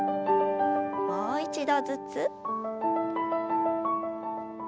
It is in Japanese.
もう一度ずつ。